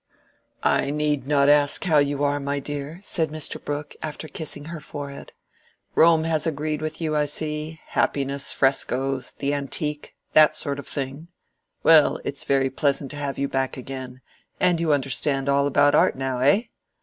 "I need not ask how you are, my dear," said Mr. Brooke, after kissing her forehead. "Rome has agreed with you, I see—happiness, frescos, the antique—that sort of thing. Well, it's very pleasant to have you back again, and you understand all about art now, eh?